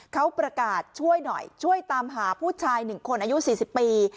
เขาประกาศช่วยหน่อยช่วยตามหาผู้ชาย๑คนอายุ๔๐ปี